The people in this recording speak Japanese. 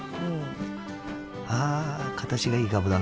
ああ形がいいかぶだな。